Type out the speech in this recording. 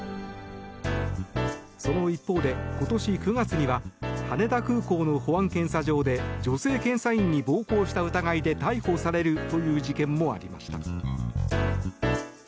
その一方で今年９月には羽田空港の保安検査場で女性検査員に暴行した疑いで逮捕されるという事件もありました。